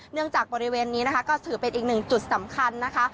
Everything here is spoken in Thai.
จากบริเวณนี้นะคะก็ถือเป็นอีกหนึ่งจุดสำคัญนะคะ